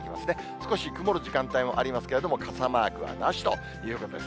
少し曇る時間帯もありますけれども、傘マークはなしということです。